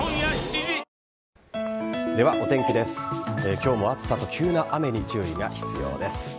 今日も暑さと急な雨に注意が必要です。